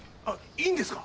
いいんですか？